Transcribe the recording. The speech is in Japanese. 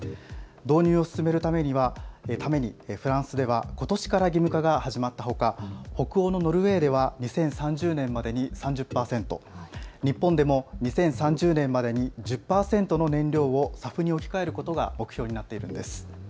導入を進めるためにはフランスではことしから義務化が始まったほか、北欧ノルウェーでは２０３０年までに３０％、日本でも２０３０年までに１０％の燃料をＳＡＦに置き換えることが目標になっているんです。